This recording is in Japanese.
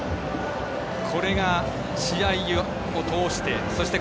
これが試合を通してそして